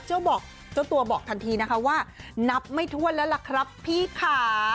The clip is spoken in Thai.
บอกเจ้าตัวบอกทันทีนะคะว่านับไม่ถ้วนแล้วล่ะครับพี่ค่ะ